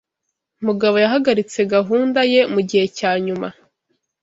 Mugabo yahagaritse gahunda ye mugihe cyanyuma.